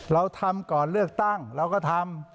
เราทำก่อนเลือกตั้งเราก็ทำ